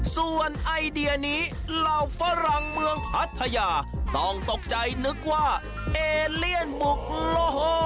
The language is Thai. ส่วนไอเดียนี้เหล่าฝรั่งเมืองพัทยาต้องตกใจนึกว่าเอเลียนบุกโลโห